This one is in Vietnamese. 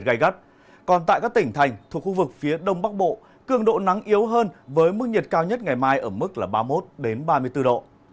gây gắt còn tại các tỉnh thành thuộc khu vực phía đông bắc bộ cường độ nắng yếu hơn với mức nhiệt cao nhất ngày mai ở mức ba mươi một ba mươi bốn độ